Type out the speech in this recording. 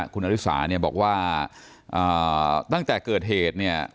คุณอริสาบอ่านว่าตั้งแต่เกิดเหตุ